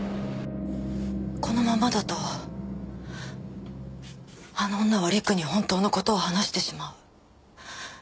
このままだとあの女は陸に本当の事を話してしまう。